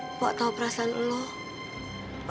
mpok tau perasaan lo